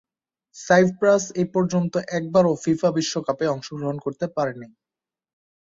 Cypress এপর্যন্ত একবারও FIFA বিশ্বকাপে অংশগ্রহণ করতে পারেনি।